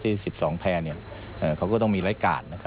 ที่๑๒แพลเนี่ยเขาก็ต้องมีไร้กาด